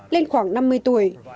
lên khoảng năm mươi tuổi